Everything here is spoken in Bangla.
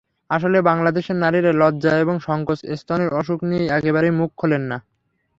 আসলে বাংলাদেশের নারীরা লজ্জা এবং সংকোচে স্তনের অসুখ নিয়ে একেবারেই মুখ খোলেন না।